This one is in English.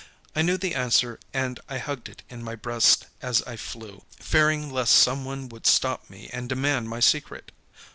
I knew the answer and I hugged it in my breast as I flew, fearing lest some one would stop me and demand my secret.